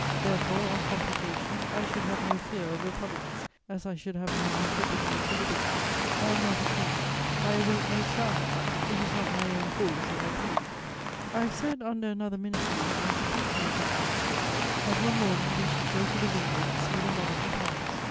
"Therefore, on computation, I should have no fear of republics, as I should have no antipathy to liberty; I am not a king; I await no crown; it is not my own cause that I plead. "I have said under another ministry, and speaking of that ministry, that one morning we should go to the window to see the Monarchy pass.